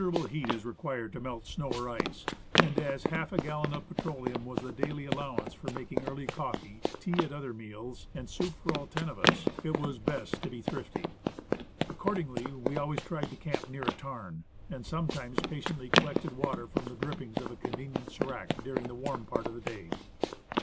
able heat is required to melt snow or ice, and as half a gallon of petroleum was the daily allowance for making early coffee, tea at other meals, and soup for all ten of us, it was best to be thrifty. Accordingly, we always tried to camp near a tarn, and some times patiently collected water from the drippings of a con venient s^rac during the warm part of the day.